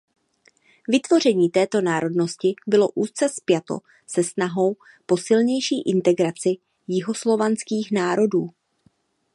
Vytvoření této národnosti bylo úzce spjato se snahou po silnější integraci jihoslovanských národů.